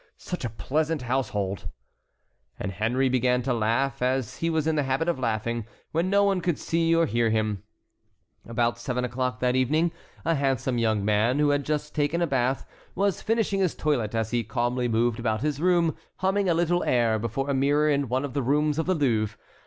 Such a pleasant household!" And Henry began to laugh as he was in the habit of laughing when no one could see or hear him. About seven o'clock that evening a handsome young man, who had just taken a bath, was finishing his toilet as he calmly moved about his room, humming a little air, before a mirror in one of the rooms of the Louvre.